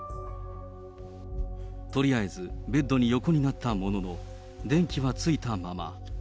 とりあえず、ベッドに横になったものの、電気はついたまま。